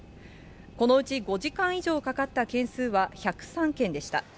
このうち５時間以上かかった件数は１０３件でした。